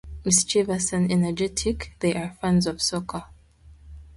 Mischievous and energetic, they are fans of soccer.